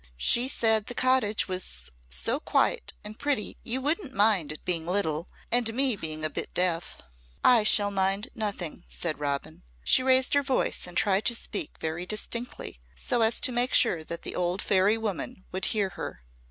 She said the cottage was so quiet and pretty you wouldn't mind it being little and me being a bit deaf." "I shall mind nothing," said Robin. She raised her voice and tried to speak very distinctly so as to make sure that the old fairy woman would hear her.